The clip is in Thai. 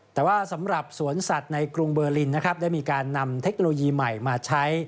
แต่ว่าสำหรับสวนสัตว์ในกรุงเบอร์ลินนะครับได้มีการนำเทคโนโลยีใหม่มาใช้